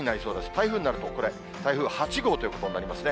台風になるとこれ、台風８号ということになりますね。